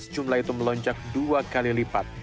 jumlah itu melonjak dua kali lipat